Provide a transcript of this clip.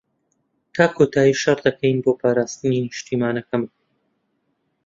تا کۆتایی شەڕ دەکەین بۆ پاراستنی نیشتمانەکەمان.